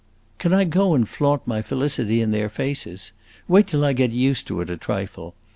"Can I go and flaunt my felicity in their faces? Wait till I get used to it a trifle.